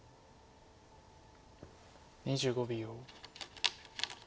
２５秒。